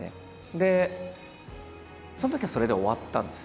でそのときはそれで終わったんです。